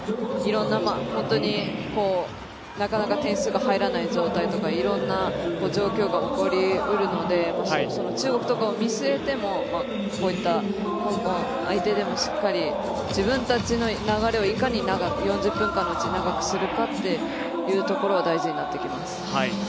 なかなか点数が入らない状態とかいろんな状況が起こりうるので中国とかを見据えてもこういった香港相手でもしっかり自分たちの流れをいかに４０分間のうち、長くするかっていうところは大事になってきます。